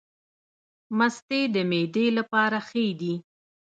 مستې د معدې لپاره ښې دي